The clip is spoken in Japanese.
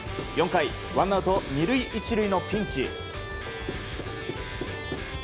４回、ワンアウト２塁１塁のピンチ。